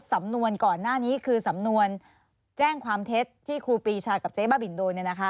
สำนวนก่อนหน้านี้คือสำนวนแจ้งความเท็จที่ครูปรีชากับเจ๊บ้าบินโดน